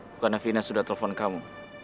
bukannya fina sudah telepon kamu